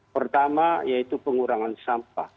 pertama yaitu pengurangan sampah